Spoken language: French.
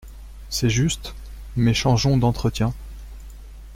C’est juste, Mais changeons d’entretien.